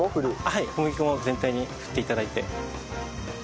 はい小麦粉も全体に振って頂いて。